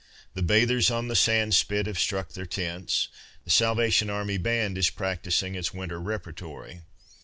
The bathers on the sand spit have struck their tents. The Salvation Army band is practising its winter repertory.